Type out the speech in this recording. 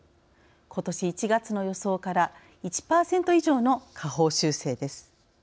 ことし１月の予想から１％以上の下方修正です。